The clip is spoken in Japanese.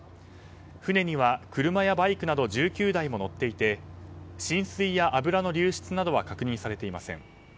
船には車やバイクなど１９台も載っていて浸水や油の流出などは確認されていません。